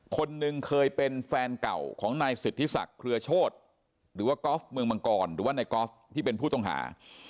คนหนึ่งเคยเป็นแฟนเก่าของนายสิทธิศักดิ์เครือโชธหรือว่ากอล์ฟเมืองมังกรหรือว่านายกอล์ฟที่เป็นผู้ต้องหา